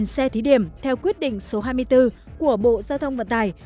năm mươi xe thí điểm theo quyết định số hai mươi bốn của bộ giao thông vận tài